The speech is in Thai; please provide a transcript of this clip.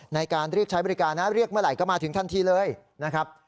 ในการเรียกใช้บริการนะเรียกเมื่อไหร่ก็มาถึงทันทีเลยนะครับ